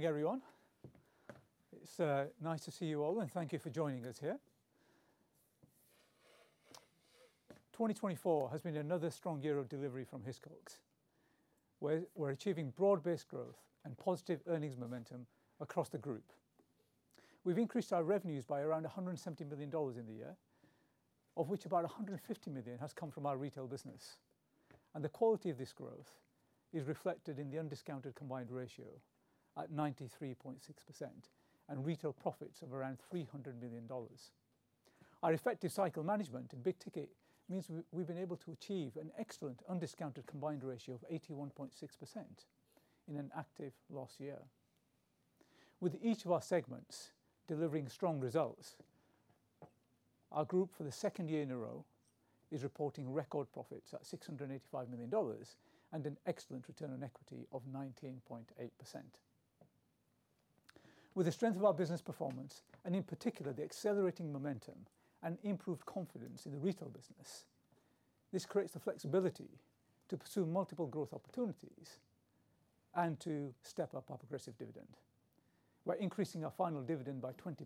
Good morning, everyone. It's nice to see you all, and thank you for joining us here. 2024 has been another strong year of delivery from Hiscox. We're achieving broad-based growth and positive earnings momentum across the group. We've increased our revenues by around $170 million in the year, of which about $150 million has come from our retail business, and the quality of this growth is reflected in the undiscounted combined ratio at 93.6% and retail profits of around $300 million. Our effective cycle management in big ticket means we've been able to achieve an excellent undiscounted combined ratio of 81.6% in an active last year. With each of our segments delivering strong results, our group, for the second year in a row, is reporting record profits at $685 million and an excellent return on equity of 19.8%. With the strength of our business performance, and in particular the accelerating momentum and improved confidence in the retail business, this creates the flexibility to pursue multiple growth opportunities and to step up our progressive dividend. We're increasing our final dividend by 20%,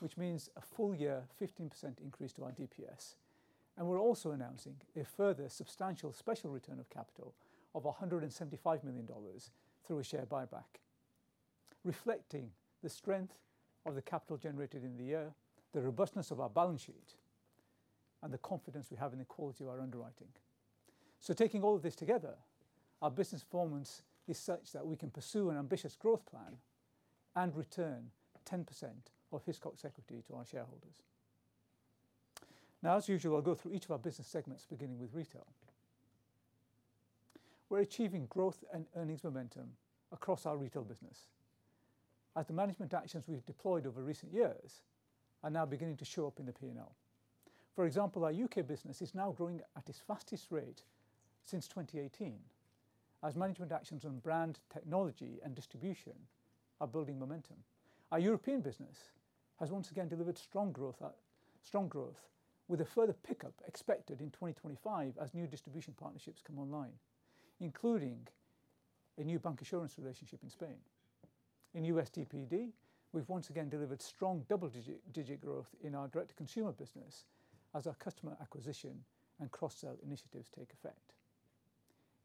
which means a full-year 15% increase to our DPS. And we're also announcing a further substantial special return of capital of $175 million through a share buyback, reflecting the strength of the capital generated in the year, the robustness of our balance sheet, and the confidence we have in the quality of our underwriting. So, taking all of this together, our business performance is such that we can pursue an ambitious growth plan and return 10% of Hiscox equity to our shareholders. Now, as usual, I'll go through each of our business segments, beginning with retail. We're achieving growth and earnings momentum across our retail business, as the management actions we've deployed over recent years are now beginning to show up in the P&L. For example, our UK business is now growing at its fastest rate since 2018, as management actions on brand technology and distribution are building momentum. Our European business has once again delivered strong growth, with a further pickup expected in 2025 as new distribution partnerships come online, including a new bancassurance relationship in Spain. In US DPD, we've once again delivered strong double-digit growth in our direct-to-consumer business, as our customer acquisition and cross-sale initiatives take effect.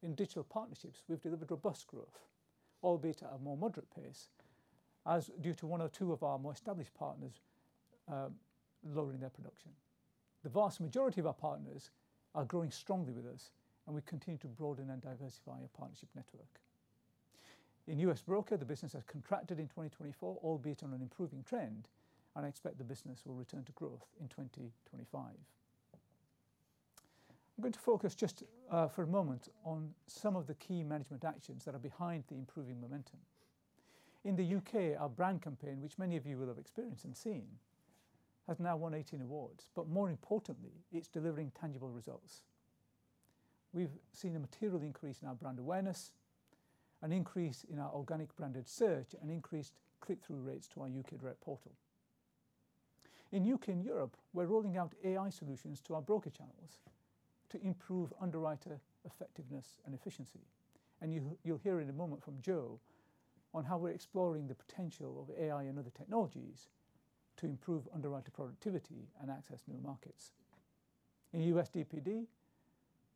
In digital partnerships, we've delivered robust growth, albeit at a more moderate pace, due to one or two of our more established partners lowering their production. The vast majority of our partners are growing strongly with us, and we continue to broaden and diversify our partnership network. In US Broker, the business has contracted in 2024, albeit on an improving trend, and I expect the business will return to growth in 2025. I'm going to focus just for a moment on some of the key management actions that are behind the improving momentum. In the UK, our brand campaign, which year-on-year of you will have experienced and seen, has now won 18 awards. But more importantly, it's delivering tangible results. We've seen a material increase in our brand awareness, an increase in our organic branded search, and increased click-through rates to our UK direct portal. In UK and Europe, we're rolling out AI solutions to our broker channels to improve underwriter effectiveness and efficiency. And you'll hear in a moment from Jo on how we're exploring the potential of AI and other technologies to improve underwriter productivity and access new markets. In US DPD,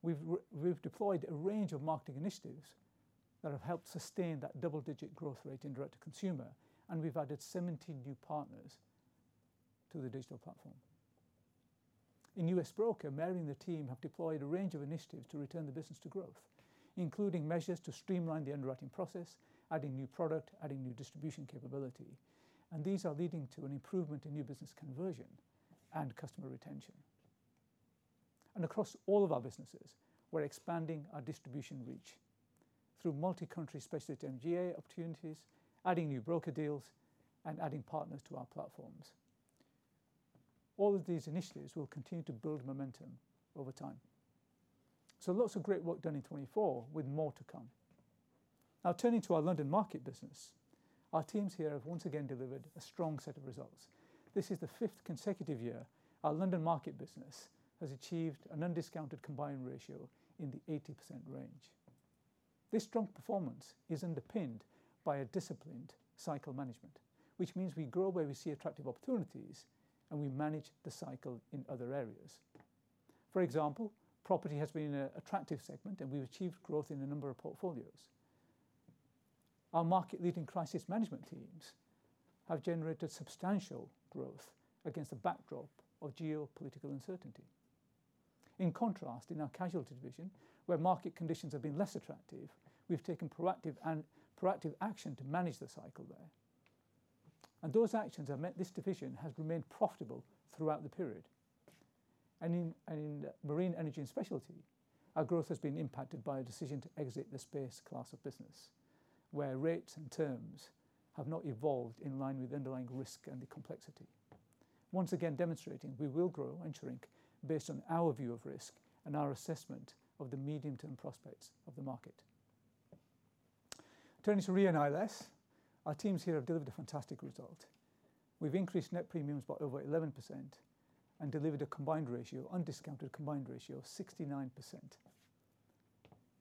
we've deployed a range of marketing initiatives that have helped sustain that double-digit growth rate in direct-to-consumer, and we've added 17 new partners to the digital platform. In US Broker, Mary and the team have deployed a range of initiatives to return the business to growth, including measures to streamline the underwriting process, adding new product, adding new distribution capability. And these are leading to an improvement in new business conversion and customer retention. And across all of our businesses, we're expanding our distribution reach through multi-country specialist MGA opportunities, adding new broker deals, and adding partners to our platforms. All of these initiatives will continue to build momentum over time. Lots of great work done in 2024, with more to come. Now, turning to our London Market business, our teams here have once again delivered a strong set of results. This is the fifth consecutive year our London market business has achieved an undiscounted combined ratio in the 80% range. This strong performance is underpinned by a disciplined cycle management, which means we grow where we see attractive opportunities, and we manage the cycle in other areas. For example, property has been an attractive segment, and we've achieved growth in a number of portfolios. Our market-leading crisis management teams have generated substantial growth against a backdrop of geopolitical uncertainty. In contrast, in our Casualty division, where market conditions have been less attractive, we've taken proactive action to manage the cycle there. Those actions have meant this division has remained profitable throughout the period. In Marine, Energy and Specialty, our growth has been impacted by a decision to exit the space class of business, where rates and terms have not evolved in line with underlying risk and the complexity, once again demonstrating we will grow and shrink based on our view of risk and our assessment of the medium-term prospects of the market. Turning to Re & ILS, our teams here have delivered a fantastic result. We've increased net premiums by over 11% and delivered a combined ratio, undiscounted combined ratio of 69%.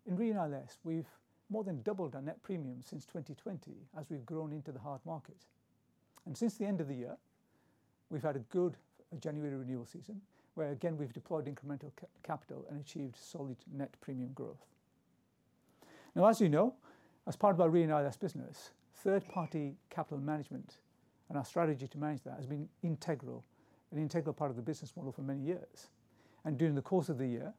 In Re & ILS, we've more than doubled our net premium since 2020, as we've grown into the hard market. Since the end of the year, we've had a good January renewal season, where, again, we've deployed incremental capital and achieved solid net premium growth. Now, as you know, as part of our Re & ILS business, third-party capital management and our strategy to manage that has been integral, an integral part of the business model for many years. And during the course of the year,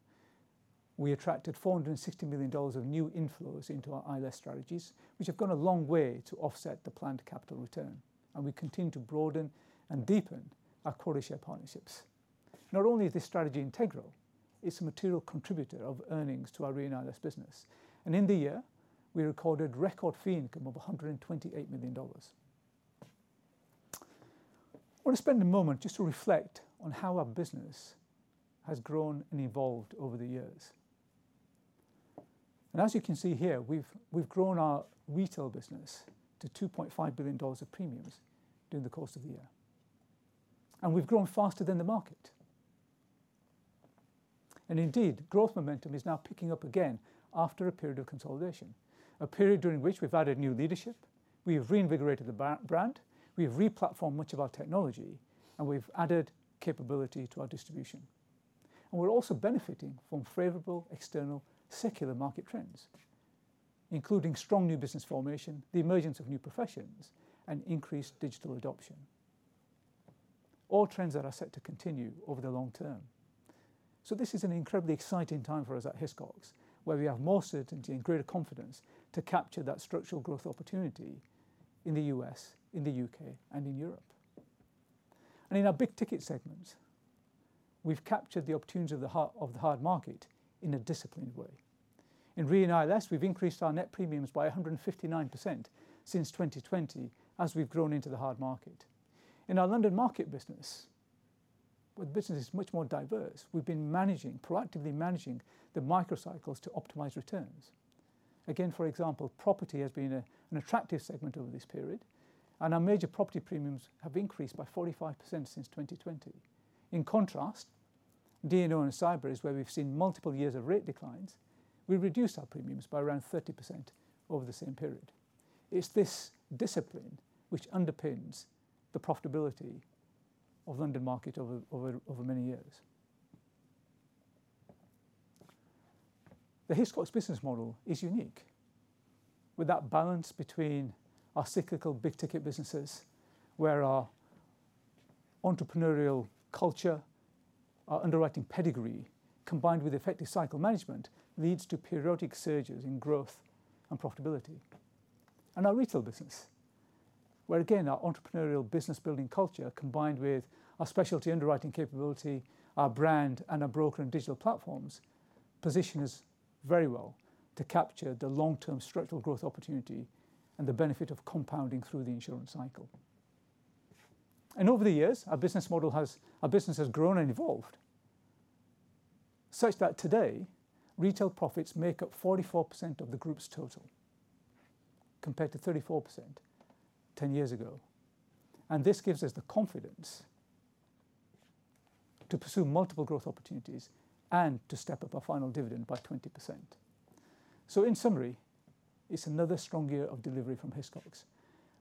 we attracted $460 million of new inflows into our ILS strategies, which have gone a long way to offset the planned capital return. And we continue to broaden and deepen our quota share partnerships. Not only is this strategy integral, it's a material contributor of earnings to our Re & ILS business. And in the year, we recorded record fee income of $128 million. I want to spend a moment just to reflect on how our business has grown and evolved over the years. And as you can see here, we've grown our retail business to $2.5 billion of premiums during the course of the year. And we've grown faster than the market. And indeed, growth momentum is now picking up again after a period of consolidation, a period during which we've added new leadership, we have reinvigorated the brand, we have replatformed much of our technology, and we've added capability to our distribution. And we're also benefiting from favorable external secular market trends, including strong new business formation, the emergence of new professions, and increased digital adoption, all trends that are set to continue over the long term. So this is an incredibly exciting time for us at Hiscox, where we have more certainty and greater confidence to capture that structural growth opportunity in the U.S., in the U.K., and in Europe. And in our big ticket segments, we've captured the opportunities of the hard market in a disciplined way. In Hiscox Re & ILS, we've increased our net premiums by 159% since 2020, as we've grown into the hard market. In our London Market business, the business is much more diverse. We've been proactively managing the microcycles to optimize returns. Again, for example, property has been an attractive segment over this period, and our major property premiums have increased by 45% since 2020. In contrast, D&O and Cyber, where we've seen multiple years of rate declines, we've reduced our premiums by around 30% over the same period. It's this discipline which underpins the profitability of the London Market over many years. The Hiscox business model is unique, with that balance between our cyclical big ticket businesses, where our entrepreneurial culture, our underwriting pedigree, combined with effective cycle management, leads to periodic surges in growth and profitability. Our retail business, where, again, our entrepreneurial business-building culture, combined with our specialty underwriting capability, our brand, and our broker and digital platforms, positions us very well to capture the long-term structural growth opportunity and the benefit of compounding through the insurance cycle. Over the years, our business model has grown and evolved such that today, retail profits make up 44% of the group's total compared to 34% 10 years ago. This gives us the confidence to pursue multiple growth opportunities and to step up our final dividend by 20%. In summary, it's another strong year of delivery from Hiscox,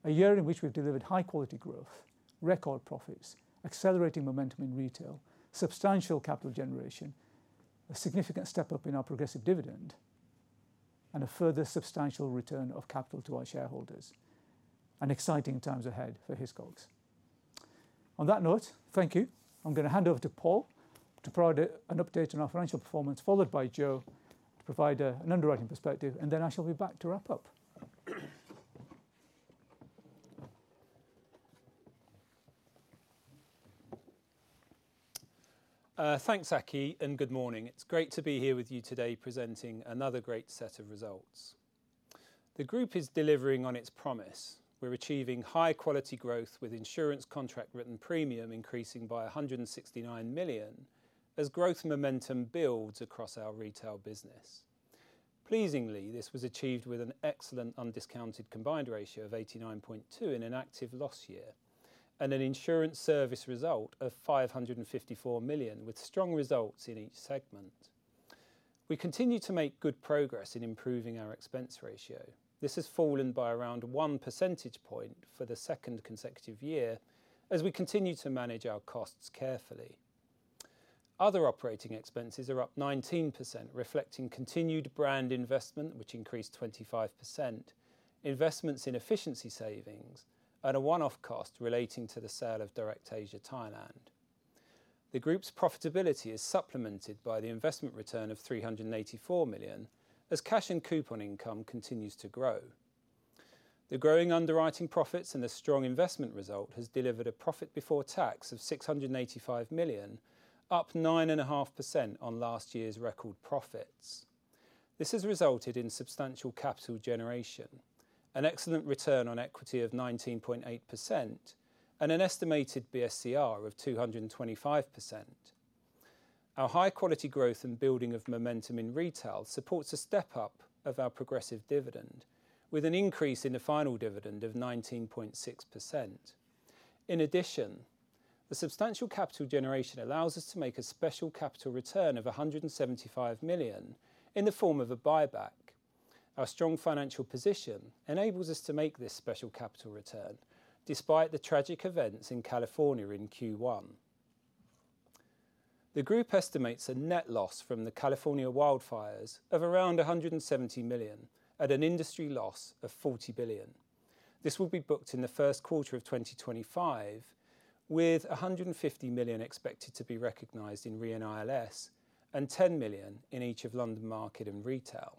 a year in which we've delivered high-quality growth, record profits, accelerating momentum in retail, substantial capital generation, a significant step up in our progressive dividend, and a further substantial return of capital to our shareholders. Exciting times ahead for Hiscox. On that note, thank you. I'm going to hand over to Paul to provide an update on our financial performance, followed by Joe to provide an underwriting perspective, and then I shall be back to wrap up. Thanks, Aki, and good morning. It's great to be here with you today presenting another great set of results. The group is delivering on its promise. We're achieving high-quality growth with insurance contract written premium increasing by $169 million as growth momentum builds across our retail business. Pleasingly, this was achieved with an excellent undiscounted combined ratio of 89.2% in an active last year and an insurance service result of $554 million, with strong results in each segment. We continue to make good progress in improving our expense ratio. This has fallen by around one percentage point for the second consecutive year as we continue to manage our costs carefully. Other operating expenses are up 19%, reflecting continued brand investment, which increased 25%, investments in efficiency savings, and a one-off cost relating to the sale of DirectAsia Thailand. The group's profitability is supplemented by the investment return of 384 million as cash and coupon income continues to grow. The growing underwriting profits and the strong investment result have delivered a profit before tax of 685 million, up 9.5% on last year's record profits. This has resulted in substantial capital generation, an excellent return on equity of 19.8%, and an estimated BSCR of 225%. Our high-quality growth and building of momentum in retail supports a step up of our progressive dividend, with an increase in the final dividend of 19.6%. In addition, the substantial capital generation allows us to make a special capital return of 175 million in the form of a buyback. Our strong financial position enables us to make this special capital return despite the tragic events in California in Q1. The group estimates a net loss from the California wildfires of around $170 million at an industry loss of $40 billion. This will be booked in the first quarter of 2025, with $150 million expected to be recognized in Re & ILS and $10 million in each of London Market and retail.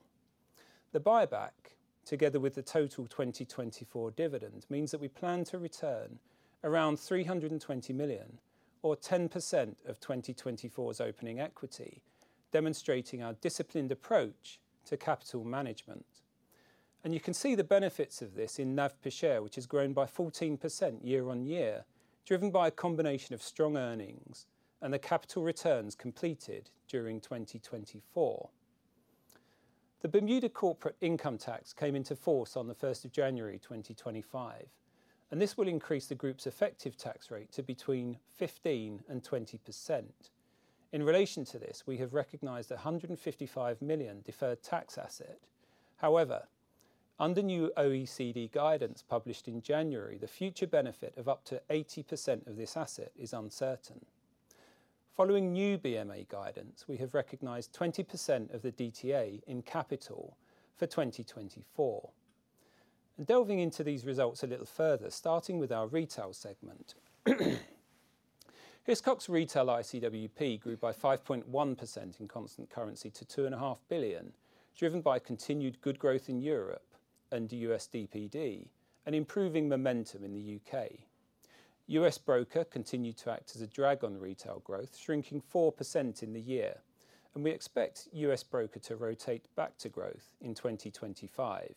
The buyback, together with the total 2024 dividend, means that we plan to return around $320 million, or 10% of 2024's opening equity, demonstrating our disciplined approach to capital management. And you can see the benefits of this in NAV per share, which has grown by 14% year-on-year, driven by a combination of strong earnings and the capital returns completed during 2024. The Bermuda corporate income tax came into force on the 1st of January 2025, and this will increase the group's effective tax rate to between 15% and 20%. In relation to this, we have recognized a 155 million deferred tax asset. However, under new OECD guidance published in January, the future benefit of up to 80% of this asset is uncertain. Following new BMA guidance, we have recognized 20% of the DTA in capital for 2024. And delving into these results a little further, starting with our retail segment, Hiscox Retail ICWP grew by 5.1% in constant currency to 2.5 billion, driven by continued good growth in Europe and US DPD and improving momentum in the UK. US Broker continued to act as a drag on retail growth, shrinking 4% in the year, and we expect US Broker to rotate back to growth in 2025.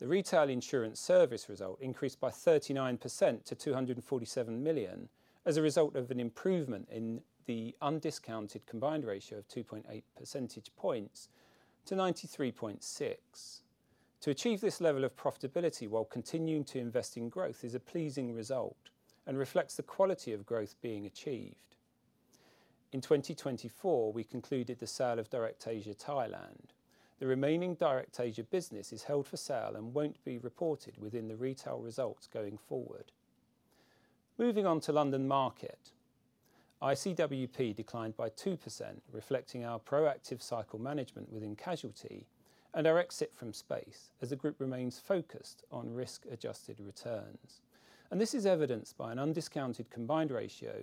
The retail insurance service result increased by 39% to 247 million as a result of an improvement in the undiscounted combined ratio of 2.8 percentage points to 93.6%. To achieve this level of profitability while continuing to invest in growth is a pleasing result and reflects the quality of growth being achieved. In 2024, we concluded the sale of DirectAsia Thailand. The remaining DirectAsia business is held for sale and won't be reported within the retail results going forward. Moving on to London Market, ICWP declined by 2%, reflecting our proactive cycle management within casualty and our exit from space as the group remains focused on risk-adjusted returns, and this is evidenced by an undiscounted combined ratio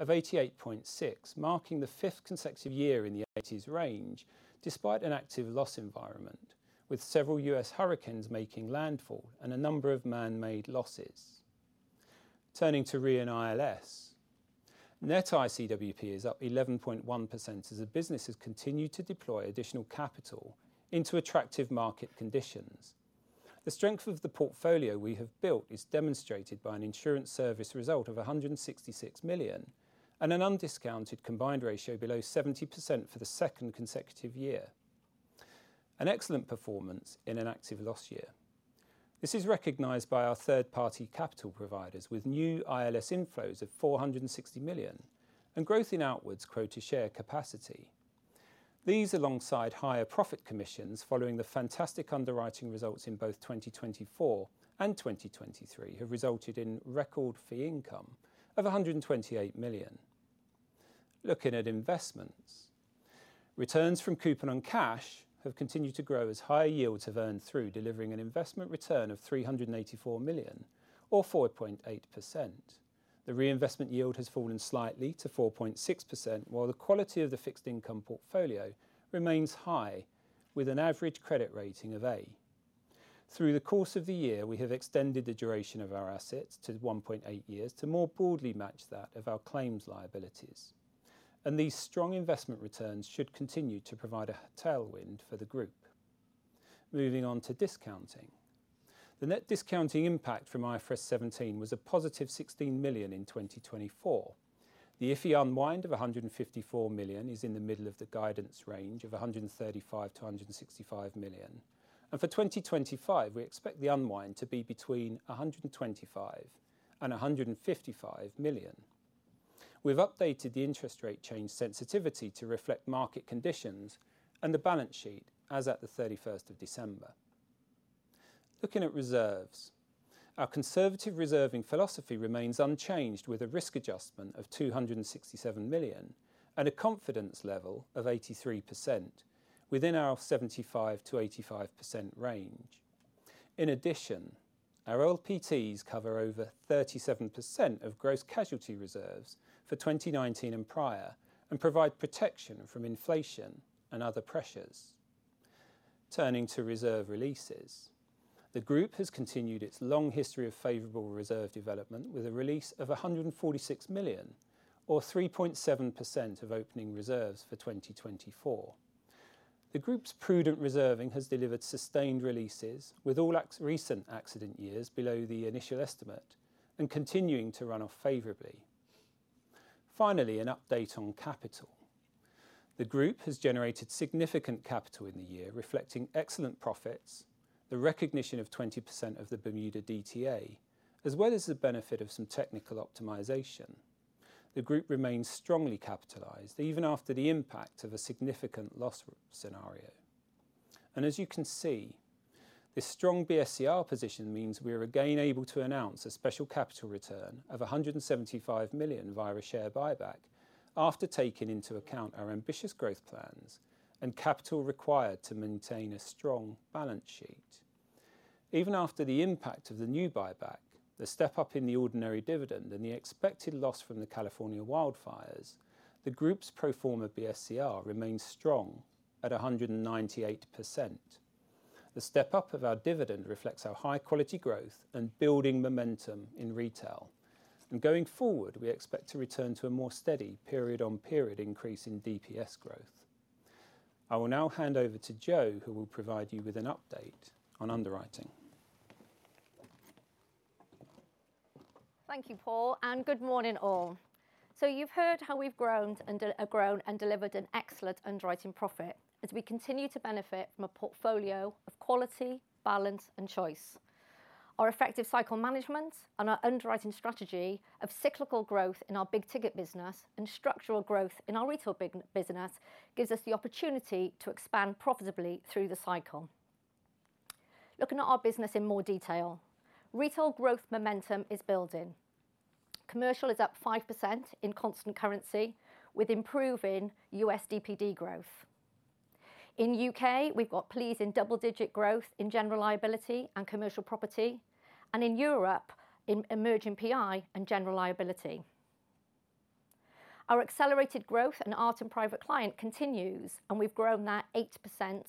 of 88.6, marking the fifth consecutive year in the 80s range despite an active loss environment, with several U.S. hurricanes making landfall and a number of man-made losses. Turning to Hiscox Re & ILS, net ICWP is up 11.1% as the business has continued to deploy additional capital into attractive market conditions. The strength of the portfolio we have built is demonstrated by an insurance service result of $166 million and an undiscounted combined ratio below 70% for the second consecutive year, an excellent performance in an active loss year. This is recognized by our third-party capital providers with new ILS inflows of $460 million and growth in outwards quota share capacity. These, alongside higher profit commissions following the fantastic underwriting results in both 2024 and 2023, have resulted in record fee income of $128 million. Looking at investments, returns from coupon and cash have continued to grow as higher yields have earned through delivering an investment return of $384 million, or 4.8%. The reinvestment yield has fallen slightly to 4.6%, while the quality of the fixed income portfolio remains high with an average credit rating of A. Through the course of the year, we have extended the duration of our assets to 1.8 years to more broadly match that of our claims liabilities, and these strong investment returns should continue to provide a tailwind for the group. Moving on to discounting, the net discounting impact from IFRS 17 was a positive $16 million in 2024. The IFI unwind of $154 million is in the middle of the guidance range of $135-$165 million, and for 2025, we expect the unwind to be between $125 million and $155 million. We've updated the interest rate change sensitivity to reflect market conditions and the balance sheet as at the 31st of December. Looking at reserves, our conservative reserving philosophy remains unchanged with a risk adjustment of $267 million and a confidence level of 83% within our 75%-85% range. In addition, our LPTs cover over 37% of gross casualty reserves for 2019 and prior and provide protection from inflation and other pressures. Turning to reserve releases, the group has continued its long history of favorable reserve development with a release of $146 million, or 3.7% of opening reserves for 2024. The group's prudent reserving has delivered sustained releases with all recent accident years below the initial estimate and continuing to run off favorably. Finally, an update on capital. The group has generated significant capital in the year, reflecting excellent profits, the recognition of 20% of the Bermuda DTA, as well as the benefit of some technical optimization. The group remains strongly capitalized even after the impact of a significant loss scenario. And as you can see, this strong BSCR position means we are again able to announce a special capital return of 175 million via a share buyback after taking into account our ambitious growth plans and capital required to maintain a strong balance sheet. Even after the impact of the new buyback, the step up in the ordinary dividend, and the expected loss from the California wildfires, the group's pro forma BSCR remains strong at 198%. The step up of our dividend reflects our high-quality growth and building momentum in retail. And going forward, we expect to return to a more steady period-on-period increase in DPS growth. I will now hand over to Joe, who will provide you with an update on underwriting. Thank you, Paul, and good morning, all. So you've heard how we've grown and delivered an excellent underwriting profit as we continue to benefit from a portfolio of quality, balance, and choice. Our effective cycle management and our underwriting strategy of cyclical growth in our big ticket business and structural growth in our retail business gives us the opportunity to expand profitably through the cycle. Looking at our business in more detail, retail growth momentum is building. Commercial is up 5% in constant currency with improving US DPD growth. In the U.K., we've got pleasing double-digit growth in General Liability and commercial property, and in Europe, emerging PI and General Liability. Our accelerated growth in Art and Private Client continues, and we've grown that 8%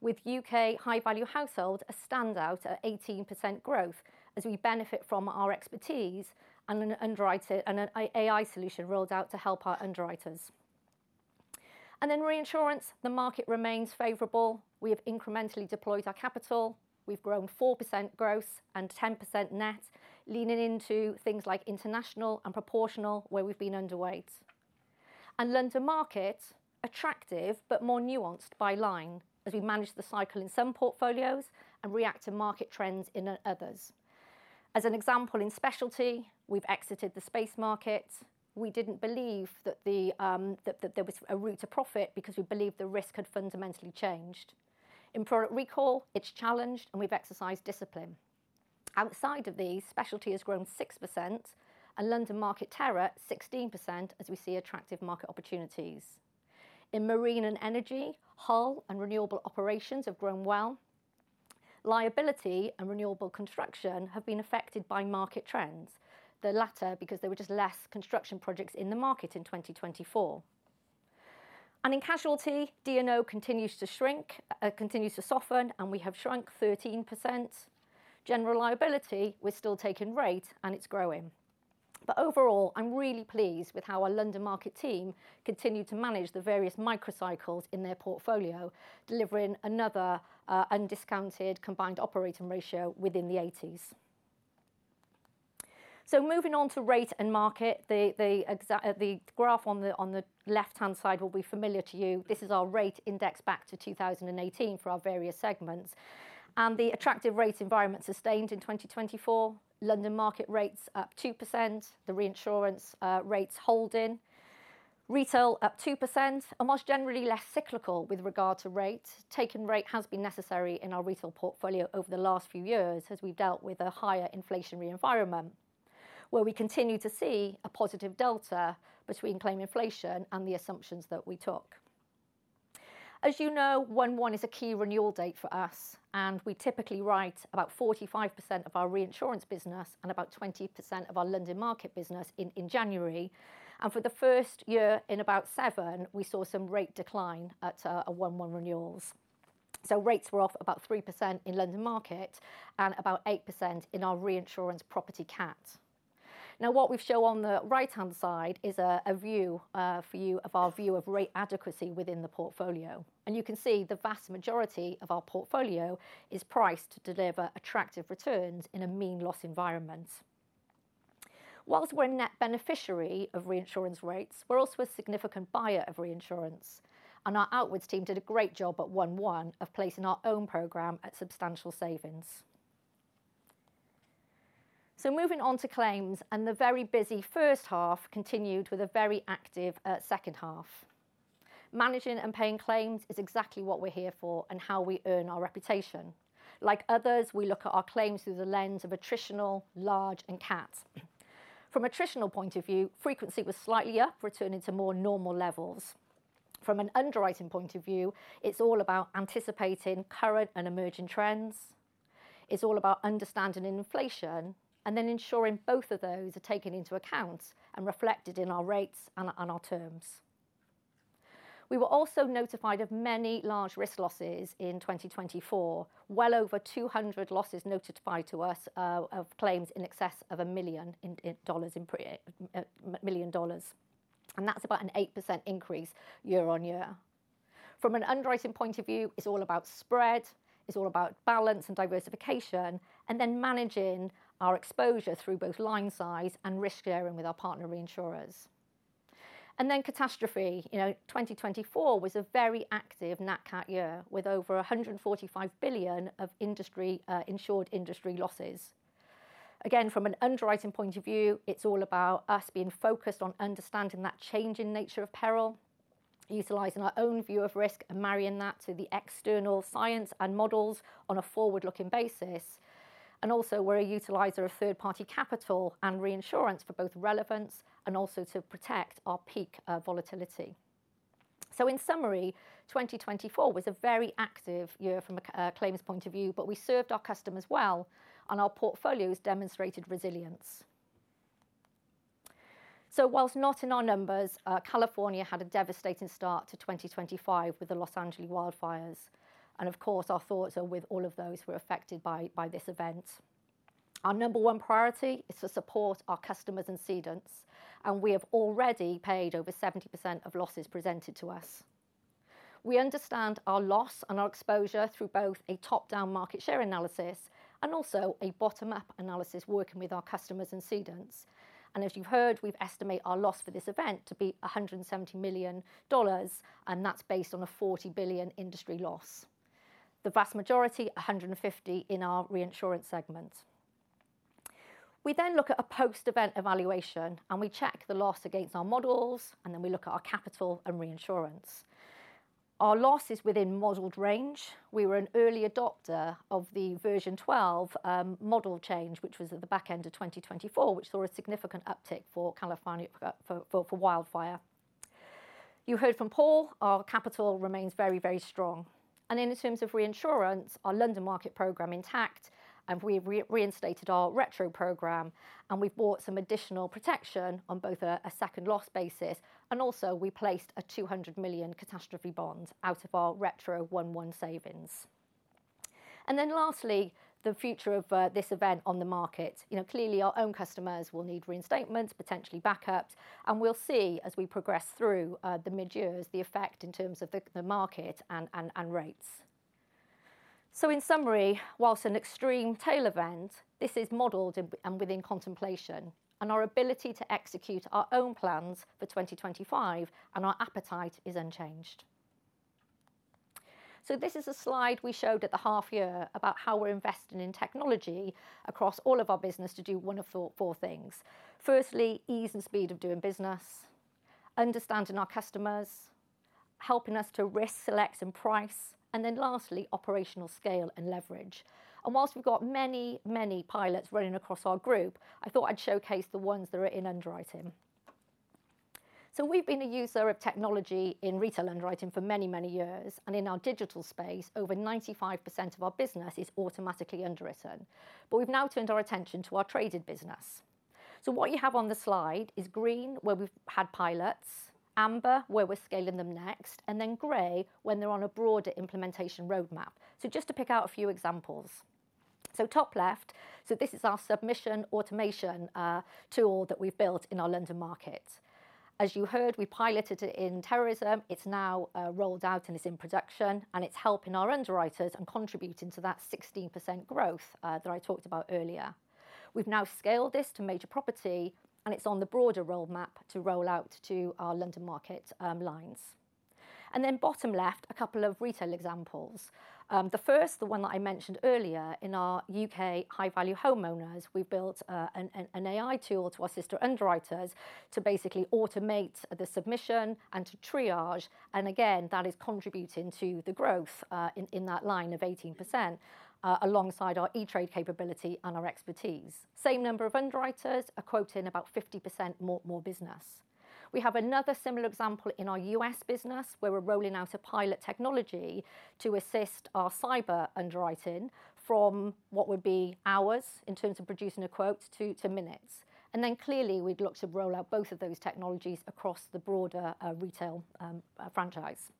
with U.K. high-value households a standout at 18% growth as we benefit from our expertise and an AI solution rolled out to help our underwriters. And in reinsurance, the market remains favorable. We have incrementally deployed our capital. We've grown 4% gross and 10% net, leaning into things like international and proportional where we've been underweight. And London Market, attractive but more nuanced by line as we manage the cycle in some portfolios and react to market trends in others. As an example, in specialty, we've exited the space market. We didn't believe that there was a route to profit because we believed the risk had fundamentally changed. In Product Recall, it's challenged, and we've exercised discipline. Outside of these, specialty has grown 6% and London Market terror 16% as we see attractive market opportunities. In Marine and Energy, hull and renewable operations have grown well. Liability and renewable construction have been affected by market trends, the latter because there were just less construction projects in the market in 2024. In casualty, D&O continues to shrink, continues to soften, and we have shrunk 13%. General liability, we're still taking rate and it's growing. But overall, I'm really pleased with how our London market team continued to manage the various microcycles in their portfolio, delivering another undiscounted combined operating ratio within the 80s. Moving on to rate and market, the graph on the left-hand side will be familiar to you. This is our rate index back to 2018 for our various segments. The attractive rate environment sustained in 2024, London market rates up 2%, the reinsurance rates holding. Retail up 2%, almost generally less cyclical with regard to rate. Taking rate has been necessary in our retail portfolio over the last few years as we've dealt with a higher inflationary environment where we continue to see a positive delta between claim inflation and the assumptions that we took. As you know, 1/1 is a key renewal date for us, and we typically write about 45% of our reinsurance business and about 20% of our London Market business in January. For the first year in about seven, we saw some rate decline at 1/1 renewals. Rates were off about 3% in London Market and about 8% in our reinsurance property-cat. Now, what we've shown on the right-hand side is a view for you of our view of rate adequacy within the portfolio. You can see the vast majority of our portfolio is priced to deliver attractive returns in a mean loss environment. While we're a net beneficiary of reinsurance rates, we're also a significant buyer of reinsurance. Our outwards team did a great job at 1/1 of placing our own program at substantial savings. Moving on to claims, and the very busy first half continued with a very active second half. Managing and paying claims is exactly what we're here for and how we earn our reputation. Like others, we look at our claims through the lens of attritional, large, and cat. From a traditional point of view, frequency was slightly up, returning to more normal levels. From an underwriting point of view, it's all about anticipating current and emerging trends. It's all about understanding inflation and then ensuring both of those are taken into account and reflected in our rates and our terms. We were also notified of many large risk losses in 2024, well over 200 losses notified to us of claims in excess of a million dollars. And that's about an 8% increase year-on-year. From an underwriting point of view, it's all about spread. It's all about balance and diversification and then managing our exposure through both line size and risk sharing with our partner reinsurers and then catastrophe, you know, 2024 was a very active nat cat year with over $145 billion of insured industry losses. Again, from an underwriting point of view, it's all about us being focused on understanding that changing nature of peril, utilizing our own view of risk and marrying that to the external science and models on a forward-looking basis and also, we're a utilizer of third-party capital and reinsurance for both relevance and also to protect our peak volatility, so in summary, 2024 was a very active year from a claims point of view, but we served our customers well and our portfolios demonstrated resilience, so while not in our numbers, California had a devastating start to 2025 with the Los Angeles wildfires. Of course, our thoughts are with all of those who were affected by this event. Our number one priority is to support our customers and cedents, and we have already paid over 70% of losses presented to us. We understand our loss and our exposure through both a top-down market share analysis and also a bottom-up analysis working with our customers and cedents. As you've heard, we've estimated our loss for this event to be $170 million, and that's based on a $40 billion industry loss. The vast majority, $150 million in our reinsurance segment. We then look at a post-event evaluation and we check the loss against our models, and then we look at our capital and reinsurance. Our loss is within modeled range. We were an early adopter of the Version 12 model change, which was at the back end of 2024, which saw a significant uptick for wildfire. You heard from Paul. Our capital remains very, very strong. In terms of reinsurance, our London market program intact, and we've reinstated our retro program, and we've bought some additional protection on both a second loss basis, and also we placed a $200 million catastrophe bond out of our retro 1/1 savings. Then lastly, the future of this event on the market. Clearly, our own customers will need reinstatements, potentially backups, and we'll see as we progress through the mid-years the effect in terms of the market and rates. In summary, while an extreme tail event, this is modeled and within contemplation, and our ability to execute our own plans for 2025 and our appetite is unchanged. This is a slide we showed at the half year about how we're investing in technology across all of our business to do one of four things. Firstly, ease and speed of doing business, understanding our customers, helping us to risk, select, and price, and then lastly, operational scale and leverage. And while we've got many, many pilots running across our group, I thought I'd showcase the ones that are in underwriting. So we've been a user of technology in retail underwriting for many, many years, and in our digital space, over 95% of our business is automatically underwritten. But we've now turned our attention to our traded business. So what you have on the slide is green where we've had pilots, amber where we're scaling them next, and then gray when they're on a broader implementation roadmap. So just to pick out a few examples. So, top left. So this is our submission automation tool that we've built in our London market. As you heard, we piloted it in terrorism. It's now rolled out and is in production, and it's helping our underwriters and contributing to that 16% growth that I talked about earlier. We've now scaled this to major property, and it's on the broader roadmap to roll out to our London market lines. And then, bottom left, a couple of retail examples. The first, the one that I mentioned earlier in our U.K. high-value homeowners, we've built an AI tool to assist our underwriters to basically automate the submission and to triage. And again, that is contributing to the growth in that line of 18% alongside our e-trade capability and our expertise. Same number of underwriters are quoting about 50% more business. We have another similar example in our U.S. business where we're rolling out a pilot technology to assist our cyber underwriting from what would be hours in terms of producing a quote to minutes, and then clearly, we've looked to roll out both of those technologies across the broader retail franchise,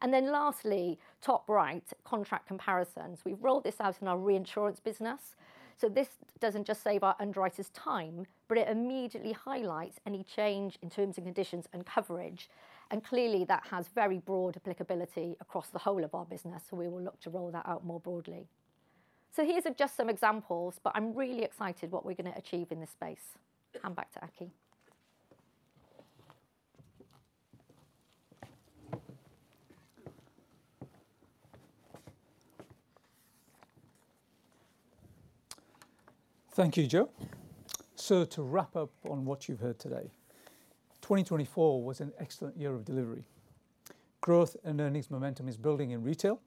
and then lastly, top right, contract comparisons. We've rolled this out in our reinsurance business. So this doesn't just save our underwriters' time, but it immediately highlights any change in terms of conditions and coverage. And clearly, that has very broad applicability across the whole of our business, so we will look to roll that out more broadly. So here's just some examples, but I'm really excited what we're going to achieve in this space. Hand back to Aki. Thank you, Joe. So to wrap up on what you've heard today, 2024 was an excellent year of delivery. Growth and earnings momentum is building in retail,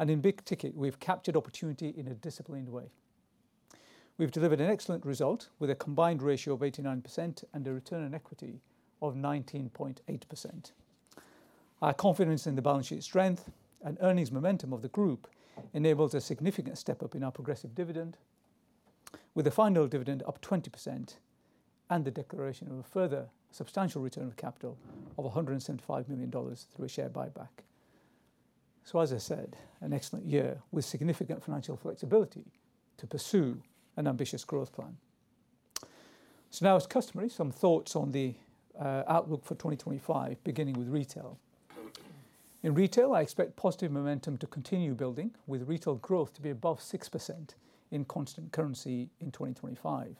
and in big ticket, we've captured opportunity in a disciplined way. We've delivered an excellent result with a combined ratio of 89% and a return on equity of 19.8%. Our confidence in the balance sheet strength and earnings momentum of the group enables a significant step up in our progressive dividend, with a final dividend up 20% and the declaration of a further substantial return of capital of $175 million through a share buyback. So as I said, an excellent year with significant financial flexibility to pursue an ambitious growth plan. So now, as customers, some thoughts on the outlook for 2025, beginning with retail. In retail, I expect positive momentum to continue building, with retail growth to be above 6% in constant currency in 2025.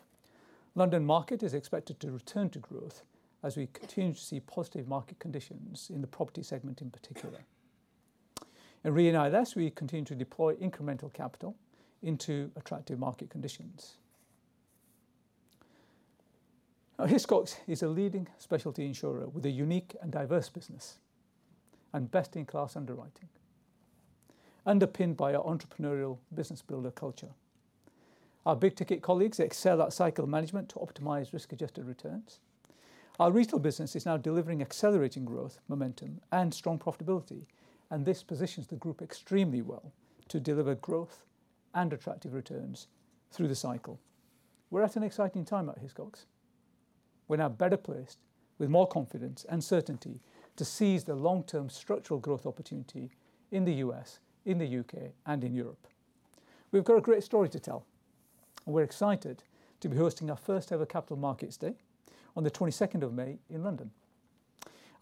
London market is expected to return to growth as we continue to see positive market conditions in the property segment in particular, and Re & ILS as we continue to deploy incremental capital into attractive market conditions. Now, Hiscox is a leading specialty insurer with a unique and diverse business and best-in-class underwriting, underpinned by our entrepreneurial business builder culture. Our big ticket colleagues excel at cycle management to optimize risk-adjusted returns. Our retail business is now delivering accelerating growth momentum and strong profitability, and this positions the group extremely well to deliver growth and attractive returns through the cycle. We're at an exciting time at Hiscox. We're now better placed with more confidence and certainty to seize the long-term structural growth opportunity in the U.S., in the U.K., and in Europe. We've got a great story to tell, and we're excited to be hosting our first-ever capital markets day on the 22nd of May in London.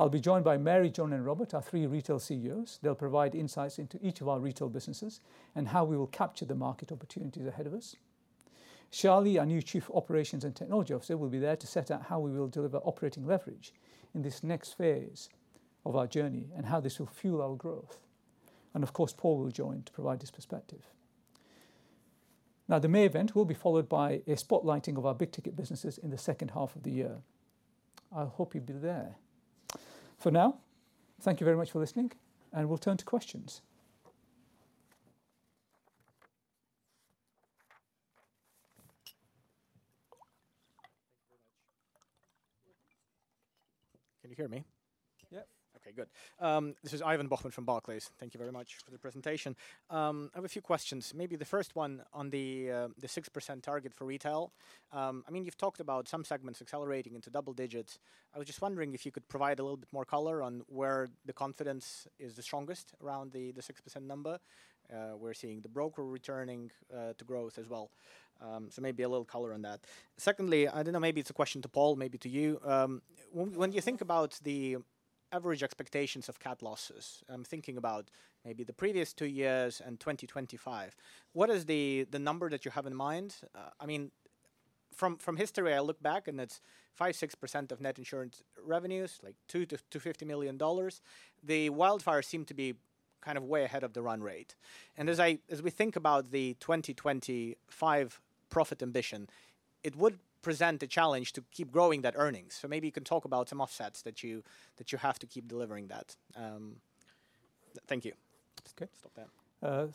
I'll be joined by Mary, Jon, and Robert, our three retail CEOs. They'll provide insights into each of our retail businesses and how we will capture the market opportunities ahead of us. Shali, our new Chief Operations and Technology Officer will be there to set out how we will deliver operating leverage in this next phase of our journey and how this will fuel our growth, and of course Paul will join to provide this perspective. Now, the May event will be followed by a spotlighting of our big ticket businesses in the second half of the year. I hope you'll be there. For now, thank you very much for listening, and we'll turn to questions. Thank you very much. Can you hear me? Yep. Okay, good. This is Ivan Bokhmat from Barclays. Thank you very much for the presentation. I have a few questions. Maybe the first one on the 6% target for retail. I mean, you've talked about some segments accelerating into double digits. I was just wondering if you could provide a little bit more color on where the confidence is the strongest around the 6% number. We're seeing the broker returning to growth as well. So maybe a little color on that. Secondly, I don't know, maybe it's a question to Paul, maybe to you. When you think about the average expectations of cat losses, I'm thinking about maybe the previous two years and 2025. What is the number that you have in mind? I mean, from history, I look back and it's 5%, 6% of net insurance revenues, like $250 million. The wildfires seem to be kind of way ahead of the run rate, and as we think about the 2025 profit ambition, it would present a challenge to keep growing that earnings, so maybe you can talk about some offsets that you have to keep delivering that. Thank you.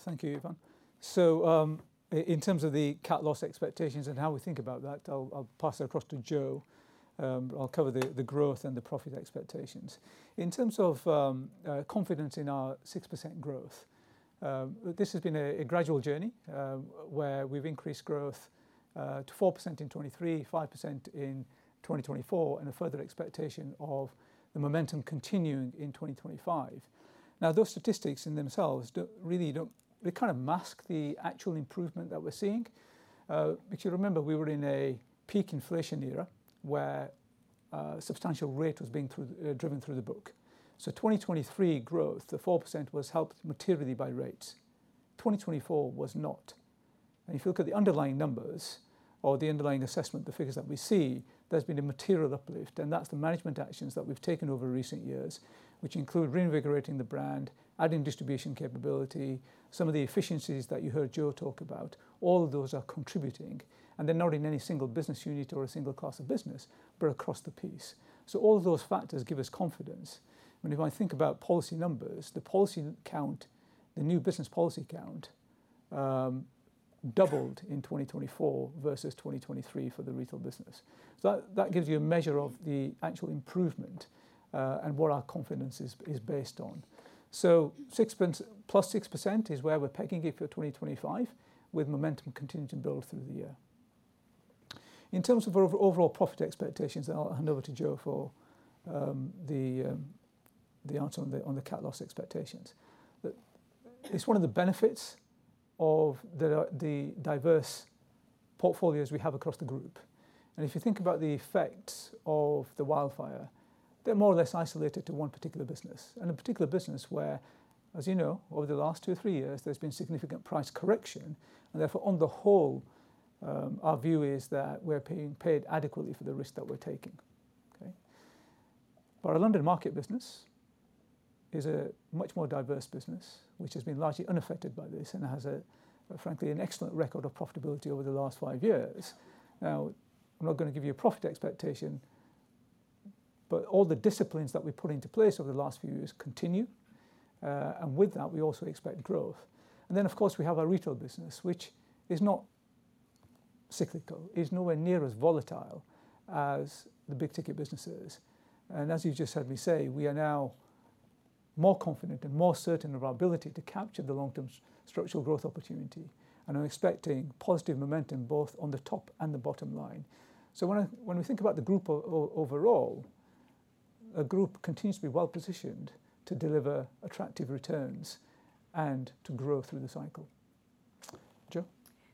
Thank you, Ivan. So in terms of the cat loss expectations and how we think about that, I'll pass it across to Joe. I'll cover the growth and the profit expectations. In terms of confidence in our 6% growth, this has been a gradual journey where we've increased growth to 4% in 2023, 5% in 2024, and a further expectation of the momentum continuing in 2025 Now, those statistics in themselves really don't kind of mask the actual improvement that we're seeing. But you remember we were in a peak inflation era where substantial rate was being driven through the book. So 2023 growth, the 4% was helped materially by rates. 2024 was not. And if you look at the underlying numbers or the underlying assessment, the figures that we see, there's been a material uplift, and that's the management actions that we've taken over recent years, which include reinvigorating the brand, adding distribution capability, some of the efficiencies that you heard Joe talk about. All of those are contributing, and they're not in any single business unit or a single class of business, but across the piece. So all of those factors give us confidence. Whenever I think about policy numbers, the policy count, the new business policy count doubled in 2024 versus 2023 for the retail business. So that gives you a measure of the actual improvement and what our confidence is based on. So plus 6% is where we're pegging it for 2025, with momentum continuing to build through the year. In terms of overall profit expectations, I'll hand over to Joe for the answer on the cat loss expectations. It's one of the benefits of the diverse portfolios we have across the group. And if you think about the effects of the wildfire, they're more or less isolated to one particular business. And a particular business where, as you know, over the last two or three years, there's been significant price correction, and therefore, on the whole, our view is that we're being paid adequately for the risk that we're taking. But our London Market business is a much more diverse business, which has been largely unaffected by this and has, frankly, an excellent record of profitability over the last five years. Now, I'm not going to give you a profit expectation, but all the disciplines that we put into place over the last few years continue, and with that, we also expect growth. And then, of course, we have our retail business, which is not cyclical. It's nowhere near as volatile as the big ticket businesses. And as you just heard me say, we are now more confident and more certain of our ability to capture the long-term structural growth opportunity, and I'm expecting positive momentum both on the top and the bottom line. So when we think about the group overall, a group continues to be well positioned to deliver attractive returns and to grow through the cycle.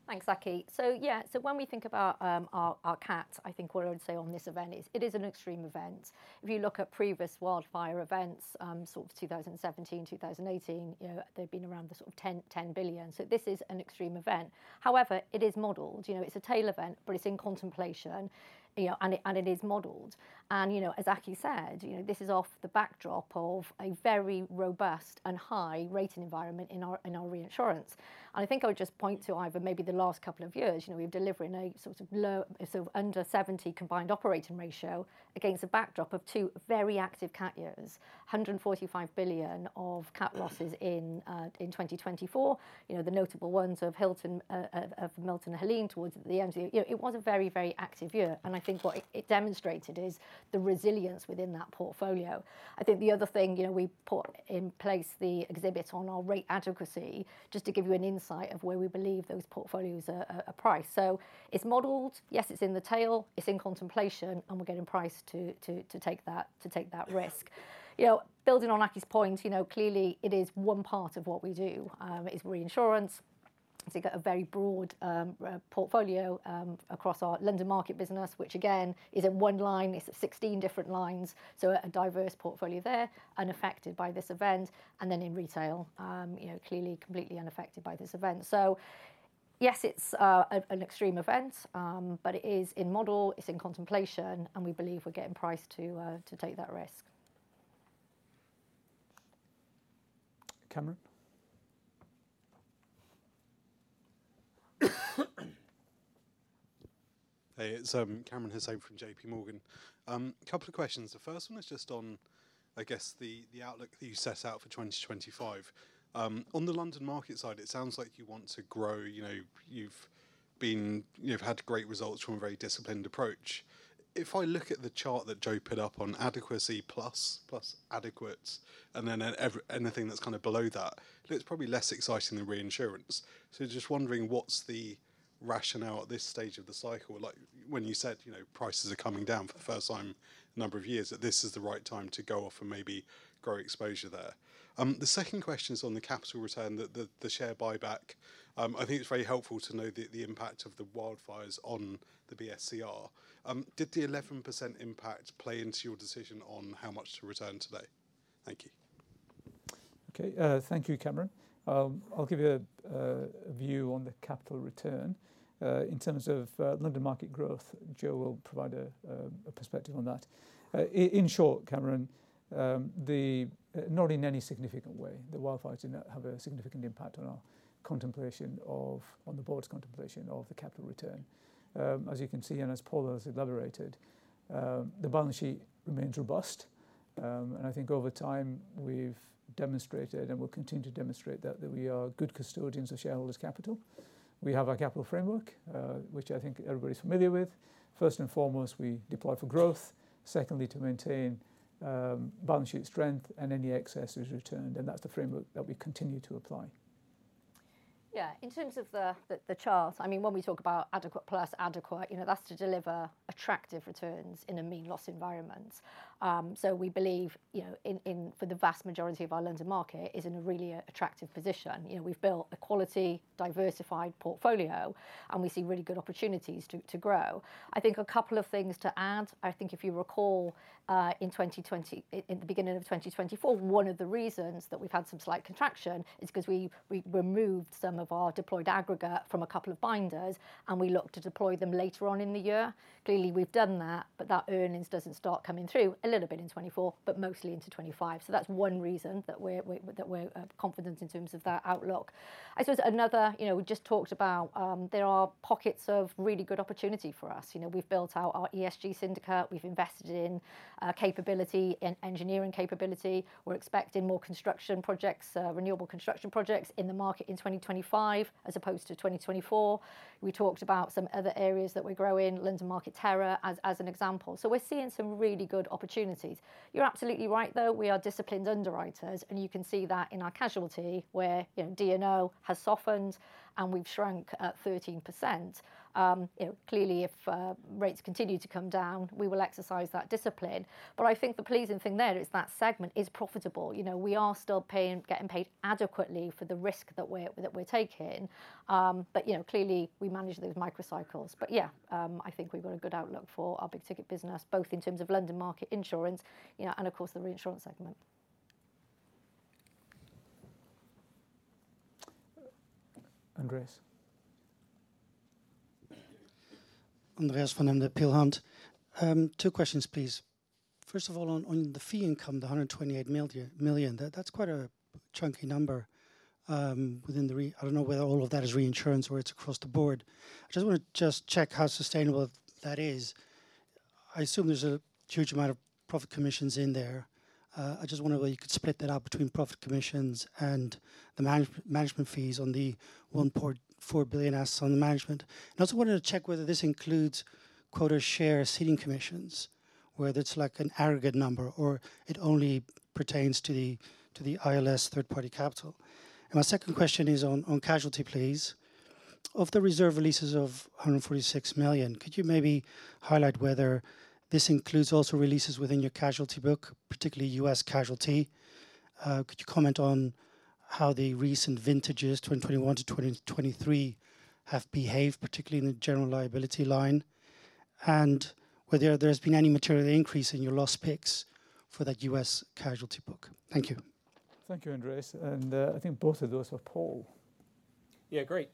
Joe. Thanks, Aki. So yeah, so when we think about our cat cap, I think what I would say on this event is it is an extreme event. If you look at previous wildfire events, sort of 2017, 2018, they've been around the sort of $10 billion. So this is an extreme event. However, it is modeled. It's a tail event, but it's in contemplation, and it is modeled. And as Aki said, this is off the backdrop of a very robust and high rating environment in our reinsurance. And I think I would just point to either maybe the last couple of years. We've delivered in a sort of under 70% combined operating ratio against a backdrop of two very active cat years. $145 billion of cat losses in 2024. The notable ones of Milton and Helene towards the end. It was a very, very active year. And I think what it demonstrated is the resilience within that portfolio. I think the other thing, we put in place the exhibit on our rate adequacy just to give you an insight of where we believe those portfolios are priced. So it's modeled. Yes, it is in the tail. It's in contemplation, and we're getting priced to take that risk. Building on Aki's point, clearly, it is one part of what we do. It's reinsurance. It's a very broad portfolio across our London market business, which, again, is in one line. It's 16 different lines. So a diverse portfolio there, unaffected by this event, and then in retail, clearly, completely unaffected by this event. So yes, it's an extreme event, but it is in model. It's in contemplation, and we believe we're getting priced to take that risk. Kamran. Hey, it's Kamran Hossain from JPMorgan. A couple of questions. The first one is just on, I guess, the outlook that you set out for 2025. On the London Market side, it sounds like you want to grow. You've had great results from a very disciplined approach. If I look at the chart that Joe put up on adequacy plus adequate, and then anything that's kind of below that, it's probably less exciting than reinsurance. So just wondering what's the rationale at this stage of the cycle? When you said prices are coming down for the first time in a number of years, that this is the right time to go off and maybe grow exposure there. The second question is on the capital return, the share buyback. I think it's very helpful to know the impact of the wildfires on the BSCR. Did the 11% impact play into your decision on how much to return today? Thank you. Okay, thank you, Kamran. I'll give you a view on the capital return. In terms of London market growth, Joe will provide a perspective on that. In short, Kamran, not in any significant way, the wildfires didn't have a significant impact on our contemplation of, on the board's contemplation of the capital return. As you can see, and as Paul has elaborated, the balance sheet remains robust. And I think over time, we've demonstrated and will continue to demonstrate that we are good custodians of shareholders' capital. We have our capital framework, which I think everybody's familiar with. First and foremost, we deploy for growth. Secondly, to maintain balance sheet strength and any excess is returned. And that's the framework that we continue to apply. Yeah, in terms of the chart, I mean, when we talk about adequate plus adequate, that's to deliver attractive returns in a mean loss environment. So we believe for the vast majority of our London market is in a really attractive position. We've built a quality, diversified portfolio, and we see really good opportunities to grow. I think a couple of things to add. I think if you recall, in 2020, in the beginning of 2024, one of the reasons that we've had some slight contraction is because we removed some of our deployed aggregate from a couple of binders, and we looked to deploy them later on in the year. Clearly, we've done that, but that earnings doesn't start coming through a little bit in 2024, but mostly into 2025. So that's one reason that we're confident in terms of that outlook. I suppose another, we just talked about there are pockets of really good opportunity for us. We've built out our ESG syndicate. We've invested in capability, in engineering capability. We're expecting more construction projects, renewable construction projects in the market in 2025 as opposed to 2024. We talked about some other areas that we're growing, London Market terror as an example. So we're seeing some really good opportunities. You're absolutely right, though. We are disciplined underwriters, and you can see that in our casualty where D&O has softened and we've shrunk at 13%. Clearly, if rates continue to come down, we will exercise that discipline. But I think the pleasing thing there is that segment is profitable. We are still getting paid adequately for the risk that we're taking. But clearly, we manage those microcycles. But yeah, I think we've got a good outlook for our big ticket business, both in terms of London Market insurance and, of course, the reinsurance segment. Andreas. Andreas van Embden, Peel Hunt. Two questions, please. First of all, on the fee income, the $128 million, that's quite a chunky number within the Re. I don't know whether all of that is reinsurance or it's across the board. I just want to just check how sustainable that is. I assume there's a huge amount of profit commissions in there. I just wonder whether you could split that out between profit commissions and the management fees on the $1.4 billion assets on the management. And I also wanted to check whether this includes quota share ceding commissions, whether it's like an aggregate number or it only pertains to the ILS third-party capital. And my second question is on casualty, please. Of the reserve releases of $146 million, could you maybe highlight whether this includes also releases within your casualty book, particularly U.S. casualty? Could you comment on how the recent vintages, 2021 to 2023, have behaved, particularly in the general liability line, and whether there has been any material increase in your loss picks for that U.S. casualty book? Thank you. Thank you, Andreas. And I think both of those are Paul. Yeah, great.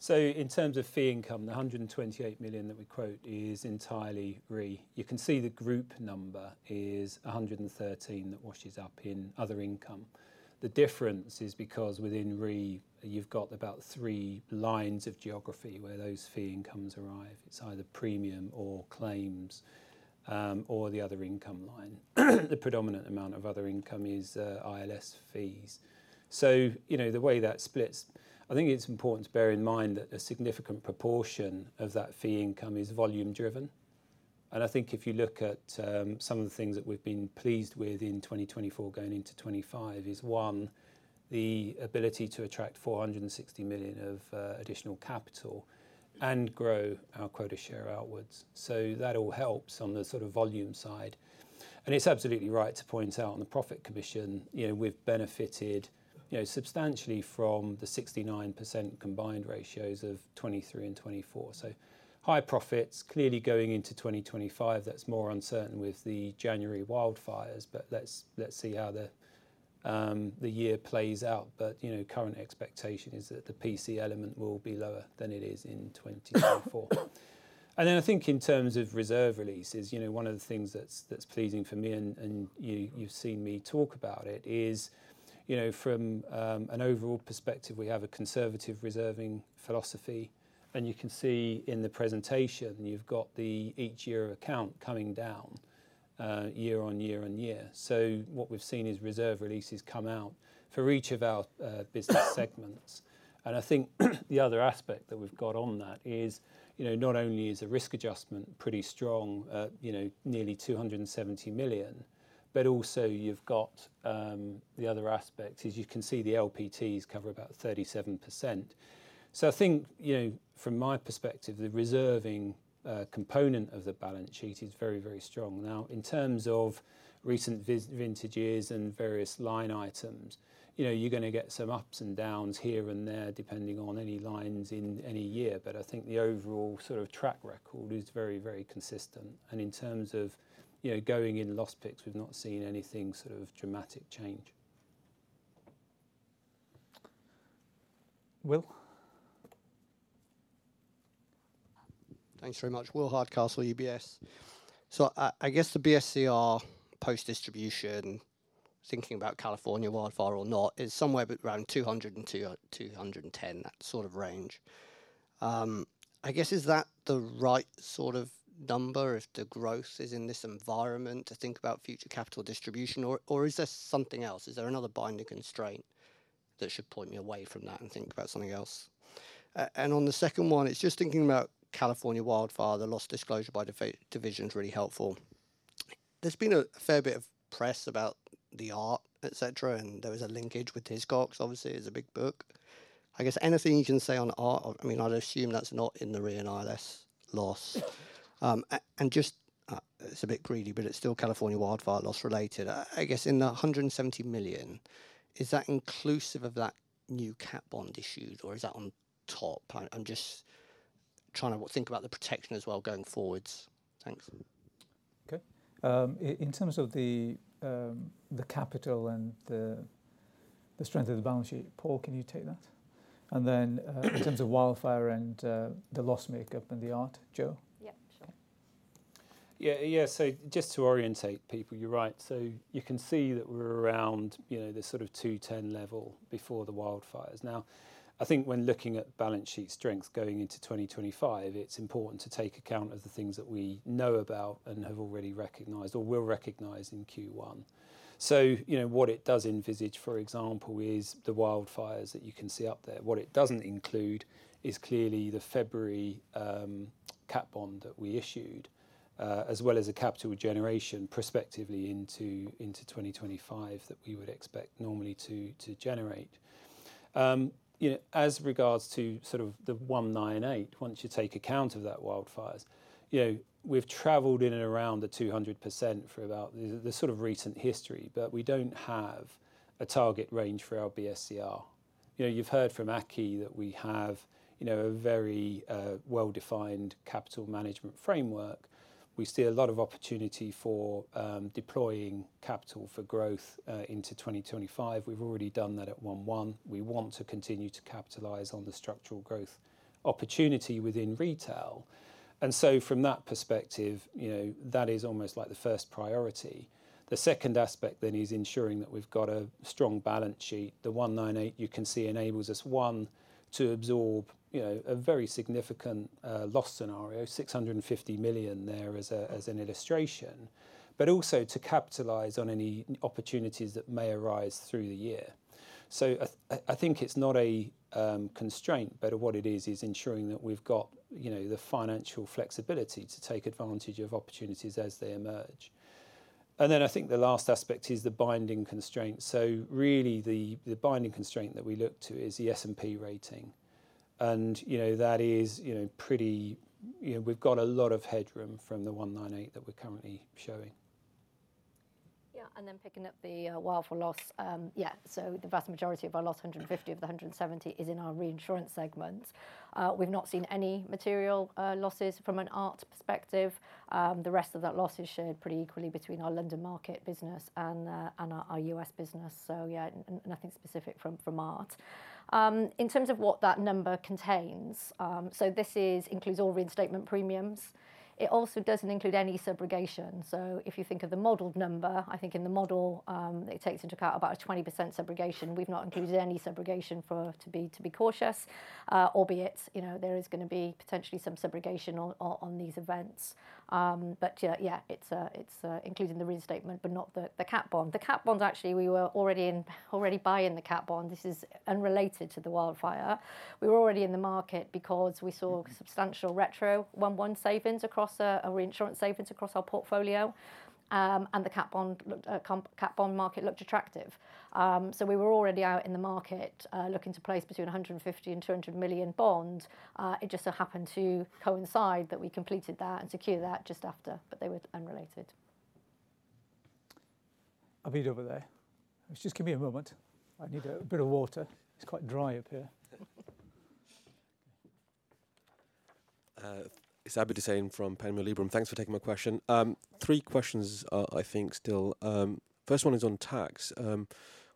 So in terms of fee income, the $128 million that we quote is entirely Re. You can see the group number is $113 million that washes up in other income. The difference is because within Re, you've got about three lines of geography where those fee incomes arrive. It's either premium or claims or the other income line. The predominant amount of other income is ILS fees. So the way that splits, I think it's important to bear in mind that a significant proportion of that fee income is volume-driven. And I think if you look at some of the things that we've been pleased with in 2024 going into 2025 is, one, the ability to attract $460 million of additional capital and grow our quota share outwards. So that all helps on the sort of volume side. It's absolutely right to point out on the profit commission. We've benefited substantially from the 69% combined ratios of 2023 and 2024. High profits clearly going into 2025. That's more uncertain with the January wildfires, but let's see how the year plays out. Current expectation is that the PC element will be lower than it is in 2024. Then I think in terms of reserve releases, one of the things that's pleasing for me, and you've seen me talk about it, is from an overall perspective, we have a conservative reserving philosophy. You can see in the presentation. You've got the each year account coming down year-on-year. What we've seen is reserve releases come out for each of our business segments. I think the other aspect that we've got on that is not only is the risk adjustment pretty strong, nearly $270 million, but also you've got the other aspects is you can see the LPTs cover about 37%. So I think from my perspective, the reserving component of the balance sheet is very, very strong. Now, in terms of recent vintages and various line items, you're going to get some ups and downs here and there depending on any lines in any year. But I think the overall sort of track record is very, very consistent. And in terms of going in loss picks, we've not seen anything sort of dramatic change. Will. Thanks very much. Will Hardcastle, UBS. So I guess the BSCR post-distribution, thinking about California wildfire or not, is somewhere around 200 and 210, that sort of range. I guess is that the right sort of number if the growth is in this environment to think about future capital distribution, or is there something else? Is there another binding constraint that should point me away from that and think about something else? And on the second one, it's just thinking about California wildfire, the loss disclosure by division is really helpful. There's been a fair bit of press about the art, etc., and there was a linkage with Hiscox, obviously, is a big book. I guess anything you can say on art, I mean, I'd assume that's not in the Re and ILS loss. And just, it's a bit greedy, but it's still California wildfire loss related. I guess in the $170 million, is that inclusive of that new cat bond issued, or is that on top? I'm just trying to think about the protection as well going forward. Thanks. Okay. In terms of the capital and the strength of the balance sheet, Paul, can you take that? And then in terms of wildfire and the loss makeup and the art, Joe? Yeah, sure. Yeah, yeah. So just to orientate people, you're right. So you can see that we're around the sort of 210 level before the wildfires. Now, I think when looking at balance sheet strength going into 2025, it's important to take account of the things that we know about and have already recognized or will recognize in Q1. So what it does envisage, for example, is the wildfires that you can see up there. What it doesn't include is clearly the February cat bond that we issued, as well as a capital generation prospectively into 2025 that we would expect normally to generate. As regards to sort of the 198, once you take account of that wildfires, we've traveled in and around the 200% for about the sort of recent history, but we don't have a target range for our BSCR. You've heard from Aki that we have a very well-defined capital management framework. We see a lot of opportunity for deploying capital for growth into 2025. We've already done that at 1/1. We want to continue to capitalize on the structural growth opportunity within retail, and so from that perspective, that is almost like the first priority. The second aspect then is ensuring that we've got a strong balance sheet. The $198 you can see enables us, one, to absorb a very significant loss scenario, $650 million there as an illustration, but also to capitalize on any opportunities that may arise through the year, so I think it's not a constraint, but what it is, is ensuring that we've got the financial flexibility to take advantage of opportunities as they emerge, and then I think the last aspect is the binding constraint. So really the binding constraint that we look to is the S&P rating. And that is pretty. We've got a lot of headroom from the 198 that we're currently showing. Yeah, and then picking up the wildfire loss, yeah, so the vast majority of our loss, 150 of the 170, is in our reinsurance segment. We've not seen any material losses from an art perspective. The rest of that loss is shared pretty equally between our London Market business and our U.S. business. So yeah, nothing specific from art. In terms of what that number contains, so this includes all reinstatement premiums. It also doesn't include any subrogation. So if you think of the model number, I think in the model, it takes into account about a 20% subrogation. We've not included any subrogation to be cautious, albeit there is going to be potentially some subrogation on these events. But yeah, it's including the reinstatement, but not the cat bond. The cat bond, actually, we were already buying the cat bond. This is unrelated to the wildfire. We were already in the market because we saw substantial retro 1/1 savings across our reinsurance savings across our portfolio, and the cat bond market looked attractive, so we were already out in the market looking to place between $150 million and $200 million bond. It just so happened to coincide that we completed that and secured that just after, but they were unrelated. I'll be over there. Just give me a moment. I need a bit of water. It's quite dry up here. It's Abid Hussain from Panmure Liberum. Thanks for taking my question. Three questions, I think, still. First one is on tax.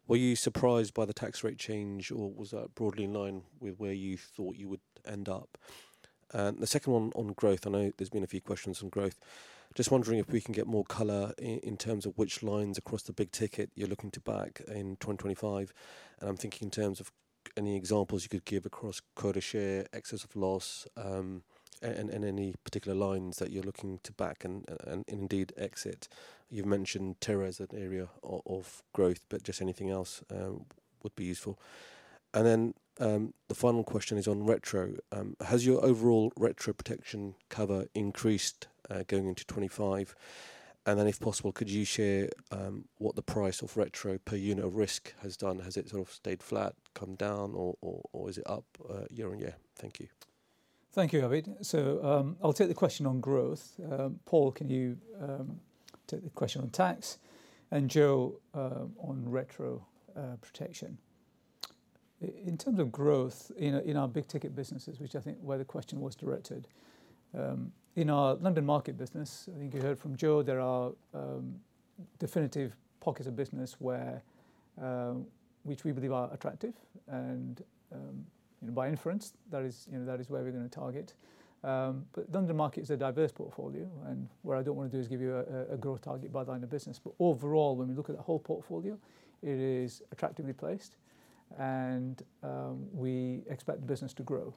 Were you surprised by the tax rate change, or was that broadly in line with where you thought you would end up? The second one on growth, I know there's been a few questions on growth. Just wondering if we can get more color in terms of which lines across the big ticket you're looking to back in 2025. And I'm thinking in terms of any examples you could give across quota share, excess of loss, and any particular lines that you're looking to back and indeed exit. You've mentioned terror as an area of growth, but just anything else would be useful. And then the final question is on retro. Has your overall retro protection cover increased going into 2025? And then if possible, could you share what the price of retro per unit of risk has done? Has it sort of stayed flat, come down, or is it up year-on-year? Thank you. Thank you, Abid. So I'll take the question on growth. Paul, can you take the question on tax? And Joe, on retro protection. In terms of growth in our big ticket businesses, which I think where the question was directed, in our London Market business, I think you heard from Joe, there are definitive pockets of business which we believe are attractive. And by inference, that is where we're going to target. But London Market is a diverse portfolio. And what I don't want to do is give you a growth target by line of business. But overall, when we look at the whole portfolio, it is attractively placed, and we expect the business to grow.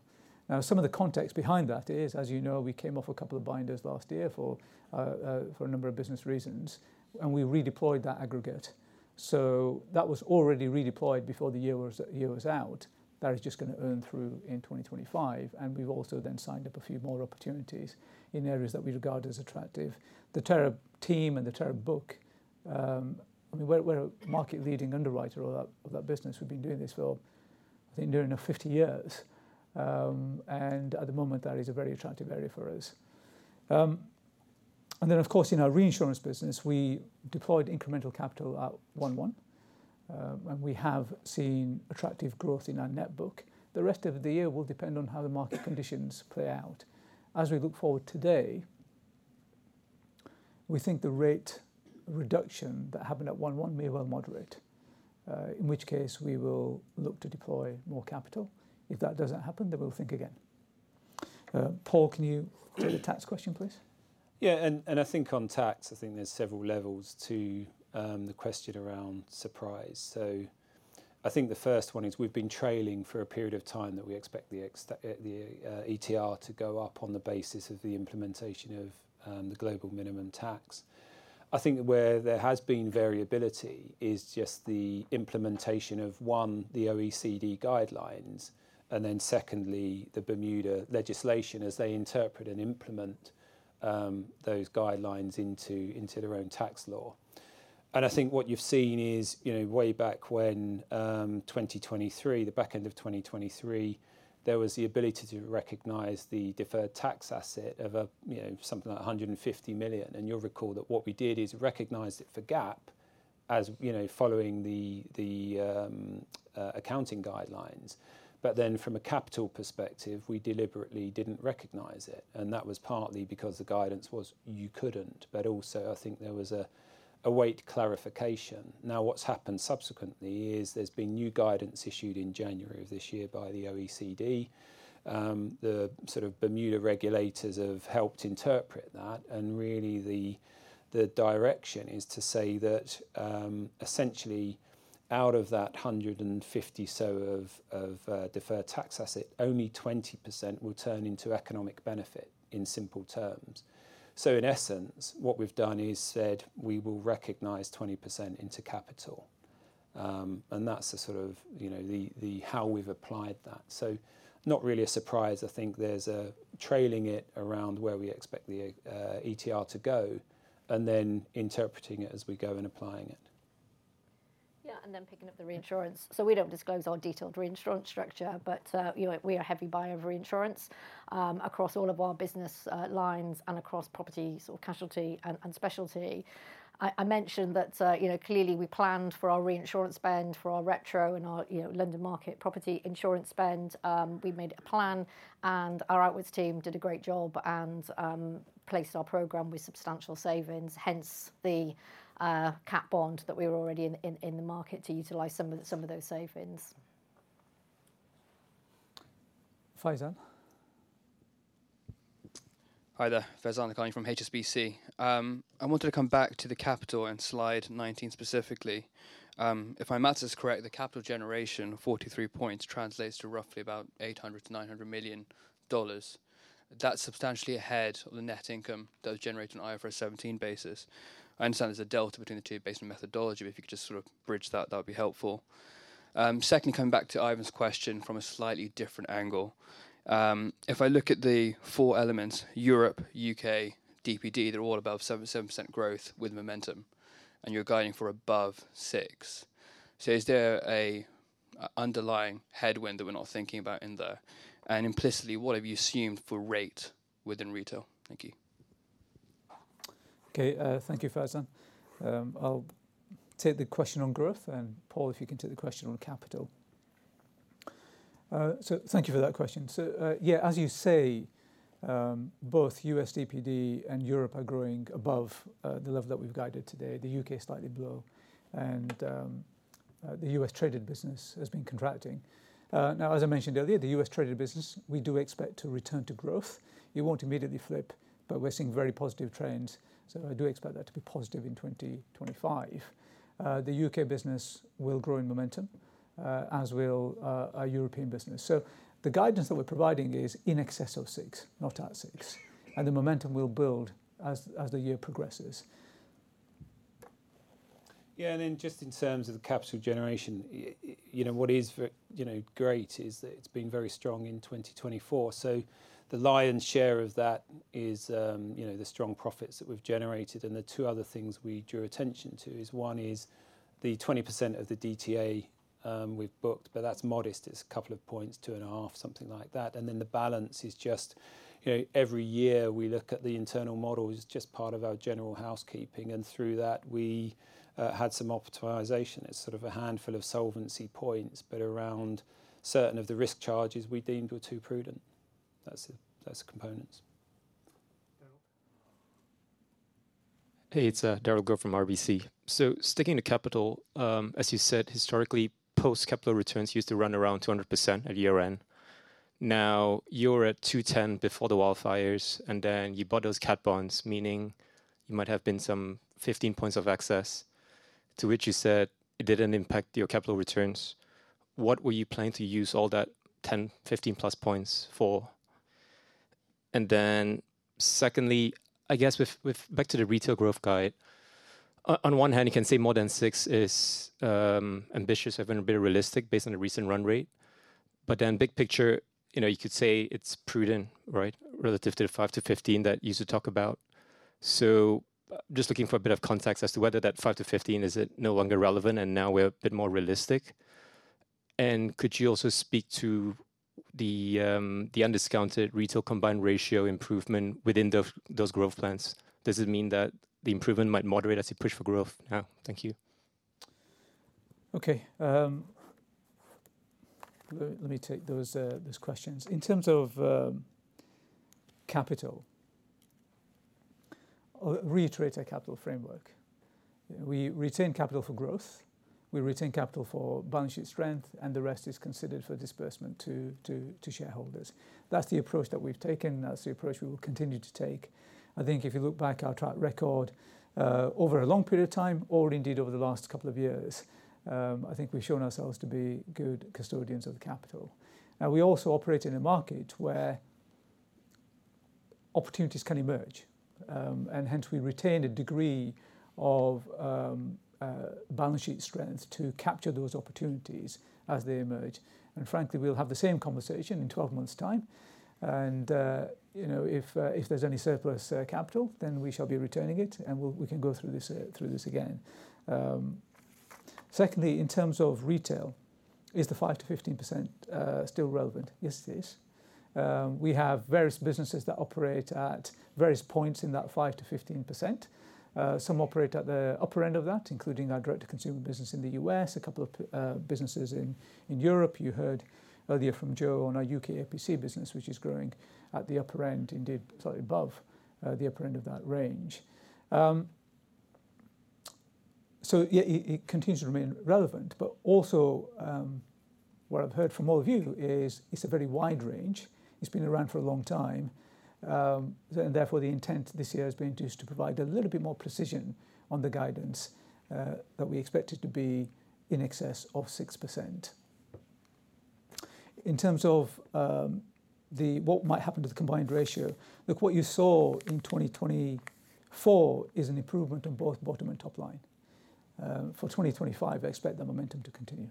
Now, some of the context behind that is, as you know, we came off a couple of binders last year for a number of business reasons, and we redeployed that aggregate. So that was already redeployed before the year was out. That is just going to earn through in 2025. And we've also then signed up a few more opportunities in areas that we regard as attractive. The terror team and the terror book, I mean, we're a market-leading underwriter of that business. We've been doing this for, I think, nearly 50 years. And at the moment, that is a very attractive area for us. And then, of course, in our reinsurance business, we deployed incremental capital at 1/1. And we have seen attractive growth in our net book. The rest of the year will depend on how the market conditions play out. As we look forward today, we think the rate reduction that happened at 1/1 may well moderate, in which case we will look to deploy more capital. If that doesn't happen, then we'll think again. Paul, can you take the tax question, please? Yeah, and I think on tax, I think there's several levels to the question around surprise. So I think the first one is we've been trailing for a period of time that we expect the ETR to go up on the basis of the implementation of the global minimum tax. I think where there has been variability is just the implementation of, one, the OECD guidelines, and then secondly, the Bermuda legislation as they interpret and implement those guidelines into their own tax law. And I think what you've seen is way back when 2023, the back end of 2023, there was the ability to recognize the deferred tax asset of something like $150 million. And you'll recall that what we did is recognize it for GAAP as following the accounting guidelines. But then from a capital perspective, we deliberately didn't recognize it. That was partly because the guidance was you couldn't, but also I think there was a wait clarification. Now, what's happened subsequently is there's been new guidance issued in January of this year by the OECD. The sort of Bermuda regulators have helped interpret that. Really the direction is to say that essentially out of that 150 or so of deferred tax asset, only 20% will turn into economic benefit in simple terms. So in essence, what we've done is said we will recognize 20% into capital. That's the sort of how we've applied that. Not really a surprise. I think there's a trailing it around where we expect the ETR to go and then interpreting it as we go and applying it. Yeah, and then picking up the reinsurance. So we don't disclose our detailed reinsurance structure, but we are a heavy buyer of reinsurance across all of our business lines and across property or casualty and specialty. I mentioned that clearly we planned for our reinsurance spend for our retro and our London market property insurance spend. We made a plan, and our outwards team did a great job and placed our program with substantial savings, hence the cat bond that we were already in the market to utilize some of those savings. Faizan. Hi there. Faizan Lakhani from HSBC. I wanted to come back to the capital and slide 19 specifically. If my math is correct, the capital generation of 43 points translates to roughly about $800 million-$900 million. That's substantially ahead of the net income that was generated on IFRS 17 basis. I understand there's a delta between the two based on methodology. If you could just sort of bridge that, that would be helpful. Secondly, coming back to Ivan's question from a slightly different angle. If I look at the four elements, Europe, U.K., DPD, they're all above 77% growth with momentum, and you're guiding for above 6%. So is there an underlying headwind that we're not thinking about in there? And implicitly, what have you assumed for rate within retail? Thank you. Okay, thank you, Faizan. I'll take the question on growth, and Paul, if you can take the question on capital, so thank you for that question, so yeah, as you say, both US DPD and Europe are growing above the level that we've guided today. The U.K. is slightly below, and the U.S. traded business has been contracting. Now, as I mentioned earlier, the U.S. traded business, we do expect to return to growth. You won't immediately flip, but we're seeing very positive trends, so I do expect that to be positive in 2025. The U.K. business will grow in momentum, as will our European business, so the guidance that we're providing is in excess of six, not at six, and the momentum will build as the year progresses. Yeah, and then just in terms of the capital generation, what is great is that it's been very strong in 2024. So the lion's share of that is the strong profits that we've generated. And the two other things we drew attention to is one is the 20% of the DTA we've booked, but that's modest. It's a couple of points, two and a half, something like that. And then the balance is just every year we look at the internal model is just part of our general housekeeping. And through that, we had some optimization. It's sort of a handful of solvency points, but around certain of the risk charges we deemed were too prudent. That's the components. Hey, it's Derald Goh from RBC Capital Markets. So sticking to capital, as you said, historically, post-capital returns used to run around 200% at year-end. Now you're at 210% before the wildfires, and then you bought those cat bonds, meaning you might have been some 15 points of excess, to which you said it didn't impact your capital returns. What were you planning to use all that 10, 15 plus points for? And then secondly, I guess back to the retail growth guide. On one hand, you can say more than 6% is ambitious. I've been a bit realistic based on the recent run rate. But then big picture, you could say it's prudent, right, relative to the 5%-15% that you used to talk about. So just looking for a bit of context as to whether that 5%-15% is it no longer relevant and now we're a bit more realistic? And could you also speak to the undiscounted retail combined ratio improvement within those growth plans? Does it mean that the improvement might moderate as you push for growth? Yeah, thank you. Okay, let me take those questions. In terms of capital, reiterate our capital framework. We retain capital for growth. We retain capital for balance sheet strength, and the rest is considered for disbursement to shareholders. That's the approach that we've taken. That's the approach we will continue to take. I think if you look back at our track record over a long period of time, or indeed over the last couple of years, I think we've shown ourselves to be good custodians of the capital. Now, we also operate in a market where opportunities can emerge. And hence, we retain a degree of balance sheet strength to capture those opportunities as they emerge. And frankly, we'll have the same conversation in 12 months' time. And if there's any surplus capital, then we shall be returning it, and we can go through this again. Secondly, in terms of retail, is the 5%-15% still relevant? Yes, it is. We have various businesses that operate at various points in that 5%-15%. Some operate at the upper end of that, including our direct-to-consumer business in the U.S., a couple of businesses in Europe. You heard earlier from Joe on our U.K. APC business, which is growing at the upper end, indeed slightly above the upper end of that range. So it continues to remain relevant. But also what I've heard from all of you is it's a very wide range. It's been around for a long time. And therefore, the intent this year has been to provide a little bit more precision on the guidance that we expect it to be in excess of 6%. In terms of what might happen to the combined ratio, look, what you saw in 2024 is an improvement on both bottom and top line. For 2025, I expect the momentum to continue.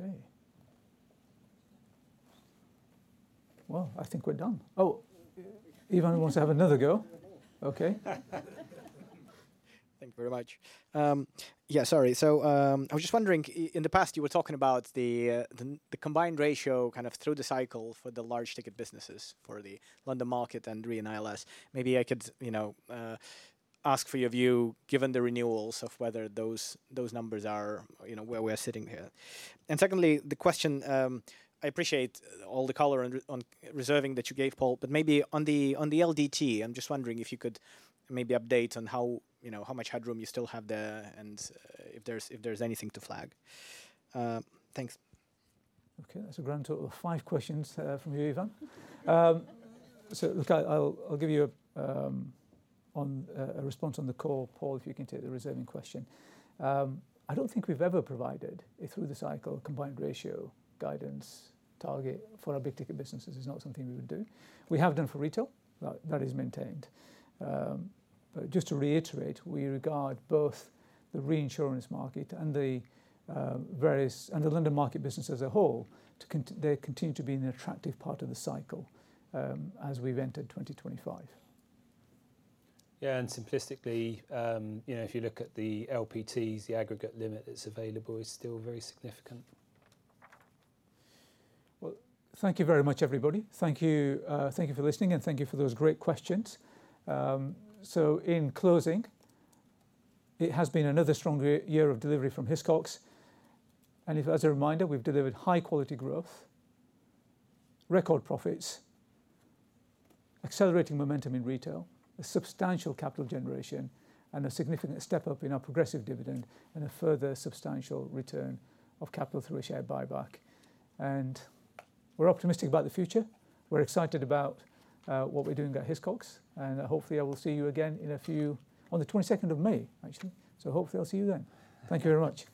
Okay. Well, I think we're done. Oh, Ivan wants to have another go. Okay. Thank you very much. Yeah, sorry. So I was just wondering, in the past, you were talking about the combined ratio kind of through the cycle for the big ticket businesses for the London Market and Re and ILS. Maybe I could ask for your view, given the renewals, of whether those numbers are where we are sitting here. And secondly, the question, I appreciate all the color on reserving that you gave, Paul, but maybe on the LPT, I'm just wondering if you could maybe update on how much headroom you still have there and if there's anything to flag. Thanks. Okay, that's a grand total of five questions from you, Ivan. So look, I'll give you a response on the call, Paul, if you can take the reserving question. I don't think we've ever provided through the cycle combined ratio guidance target for our big ticket businesses. [This] is not something we would do. We have done for retail. That is maintained. But just to reiterate, we regard both the reinsurance market and the various and the London Market business as a whole. They continue to be an attractive part of the cycle as we've entered 2025. Yeah, and simplistically, if you look at the LPTs, the aggregate limit that's available is still very significant. Thank you very much, everybody. Thank you for listening and thank you for those great questions. In closing, it has been another strong year of delivery from Hiscox. As a reminder, we've delivered high-quality growth, record profits, accelerating momentum in retail, a substantial capital generation, and a significant step up in our progressive dividend and a further substantial return of capital through a share buyback. We're optimistic about the future. We're excited about what we're doing at Hiscox. Hopefully, I will see you again in a few on the 22nd of May, actually. Hopefully, I'll see you then. Thank you very much.